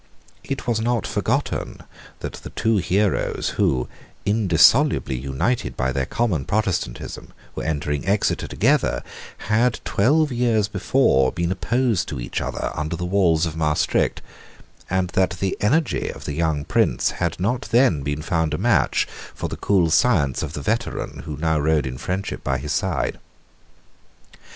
It was not forgotten that the two heroes who, indissolubly united by their common Protestantism, were entering Exeter together, had twelve years before been opposed to each other under the walls of Maestricht, and that the energy of the young Prince had not then been found a match for the cool science of the veteran who now rode in friendship by his side.